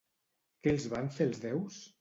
Què els van fer els déus?